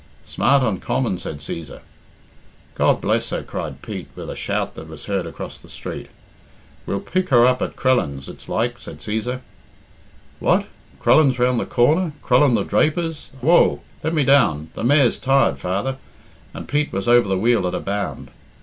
"Smart uncommon," said Cæsar. "God bless her!" cried Pete, with a shout that was heard across the street. "We'll pick her up at Crellin's, it's like," said Cæsar. "What? Crellin's round the corner Crellin the draper's I Woa! Let me down! The mare's tired, father;" and Pete was over the wheel at a bound.